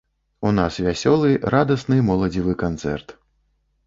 У нас вясёлы, радасны, моладзевы канцэрт.